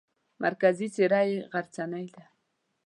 مرکزي څېره یې غرڅنۍ ده.